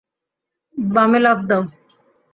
বামে লাফ দাও।